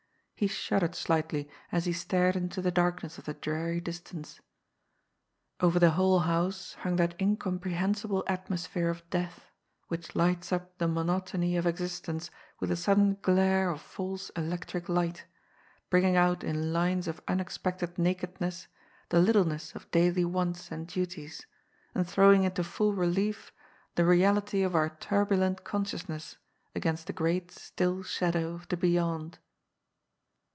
He shuddered slightly as he stared into the darkness of the dreary dis tance. Over the whole house hung that incomprehensible at mosphere of death, which lights up the monotony of exist ence with a sudden glare of false electric light, bringing out in lines of unexpected nakedness the littleness of daily wants and duties and throwing into full relief the reality of our turbulent consciousness against the great still shadow of the beyond.